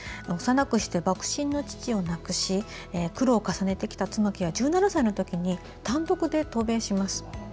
幼くして幕臣の父を亡くし苦労を重ねてきた妻木は１７歳のときに単独で渡米します。